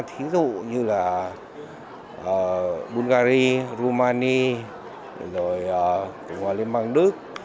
ví dụ như là bulgari rumani hoa liên bang đức